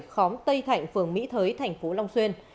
khóm tây thạnh phường mỹ thới thành phố long xuyên